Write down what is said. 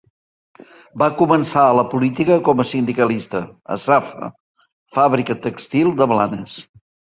Va començar a la política com a sindicalista, a Safa, fàbrica tèxtil de Blanes.